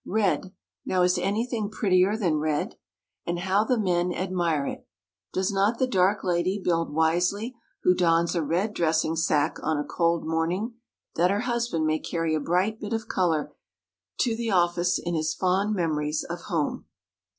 Red, now is anything prettier than red? And how the men admire it! Does not the dark lady build wisely who dons a red dressing sack on a cold morning, that her husband may carry a bright bit of colour to the office in his fond memories of home?